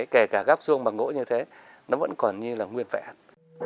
kể cả góc xuông bằng gỗ như thế nó vẫn còn như là nguyên vẹn